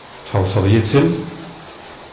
Ad tḥewwseḍ yid-sent?